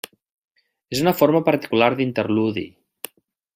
És una forma particular d'interludi.